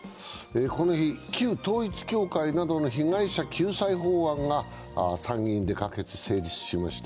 この日、旧統一教会などの被害者救済法案が参議院で可決・成立しました。